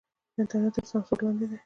انټرنېټ تر سانسور لاندې دی.